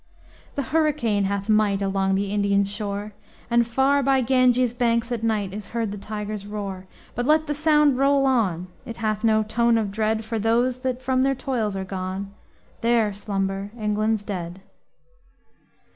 The hurricane hath might Along the Indian shore, And far by Ganges' banks at night, Is heard the tiger's roar; But let the sound roll on! It hath no tone of dread For those that from their toils are gone, There slumber England's dead.